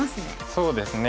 そうですね。